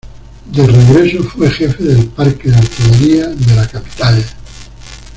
De regreso fue jefe del parque de artillería de la capital.